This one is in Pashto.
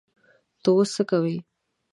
ته اوس څه کوې؟